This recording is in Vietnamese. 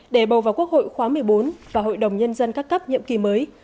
để bầu vào quốc hội khóa một mươi bốn và hội đồng nhân dân các cấp nhiệm kỳ mới